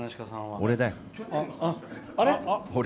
俺だよ。